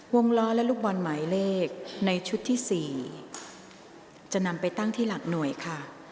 ล้อและลูกบอลหมายเลขในชุดที่๔จะนำไปตั้งที่หลักหน่วยค่ะ